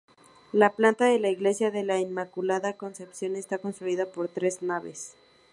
La planta de la iglesia de la Inmaculada Concepción está constituida por tres naves.